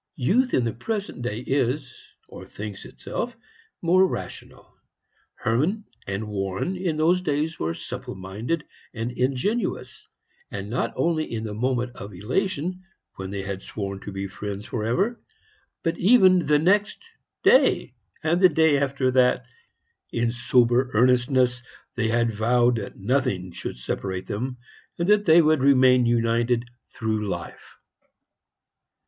Youth in the present day is, or thinks itself, more rational. Hermann and Warren in those days were simple minded and ingenuous; and not only in the moment of elation, when they had sworn to be friends for ever, but even the next day, and the day after that, in sober earnestness, they had vowed that nothing should separate them, and that they would remain united through life.